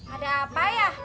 ada apa ya